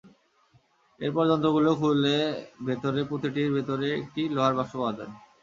এরপর যন্ত্রগুলো খুলে ভেতরে প্রতিটির ভেতরে একটি লোহার বাক্স পাওয়া যায়।